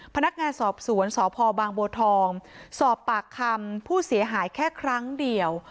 พนักงานสอบสวนสพบางบัวทองสอบปากคำผู้เสียหายแค่ครั้งเดียว